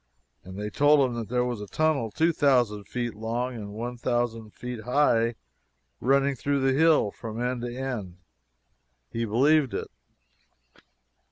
And they told him there was a tunnel 2,000 feet long and 1,000 feet high running through the hill, from end to end. He believed it.